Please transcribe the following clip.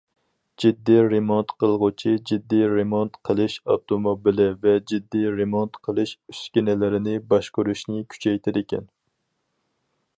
جىددىي رېمونت قىلغۇچى، جىددىي رېمونت قىلىش ئاپتوموبىلى ۋە جىددىي رېمونت قىلىش ئۈسكۈنىلىرىنى باشقۇرۇشنى كۈچەيتىدىكەن.